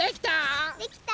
できた？